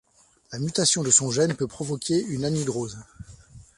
La mutation de son gène peut provoquer une anhidrose.